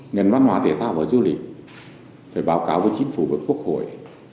ngân văn hóa thể thao và du lịch phải báo cáo với chính phủ và quốc hội